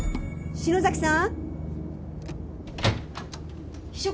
篠崎さん？